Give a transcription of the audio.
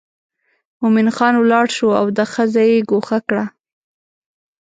مومن خان ولاړ شو او دا ښځه یې ګوښه کړه.